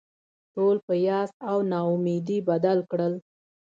ټول په یاس او نا امیدي بدل کړل.